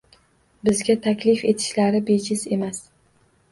Bizga taklif etishlari bejiz emas